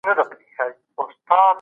په کورنۍ زده کړه کې وخت ته نه کتل کېږي.